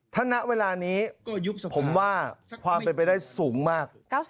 ถ้าณเวลานี้ผมว่าความเป็นไปได้สูงมาก